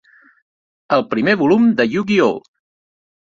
El primer volum de Yu-Gi-Oh!